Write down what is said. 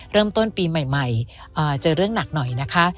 เริ่มต้นปีใหม่เจอเรื่องหนักหน่อยนะคะ